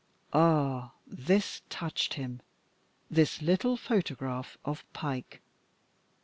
Ah! this touched him, this little photograph of Pike.